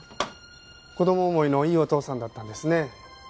子供思いのいいお父さんだったんですね。